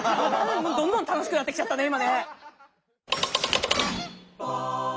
どんどん楽しくなってきちゃったね今ね。